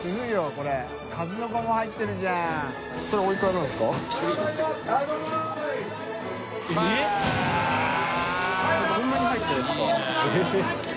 こんなに入ってですか？